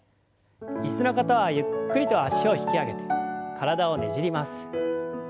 椅子の方はゆっくりと脚を引き上げて体をねじります。